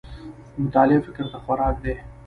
مطالعه فکر ته خوراک دی